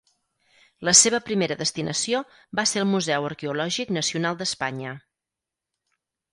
La seva primera destinació va ser el Museu Arqueològic Nacional d'Espanya.